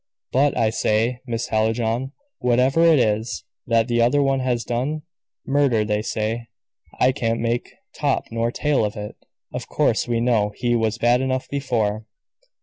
But, I say, Miss Hallijohn, whatever is it that the other one has done? Murder, they say. I can't make top nor tail of it. Of course we know he was bad enough before."